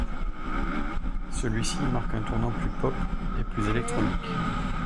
Celui-ci marque un tournant plus pop et plus électronique.